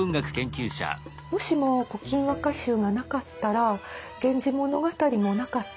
もしも「古今和歌集」がなかったら「源氏物語」もなかった。